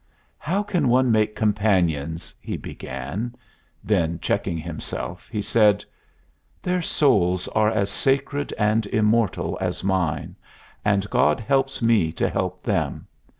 "How can one make companions " he began; then, checking himself, he said: "Their souls are as sacred and immortal as mine, and God helps me to help them.